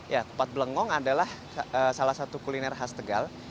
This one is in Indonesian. ya kupat belengong adalah salah satu kuliner khas tegal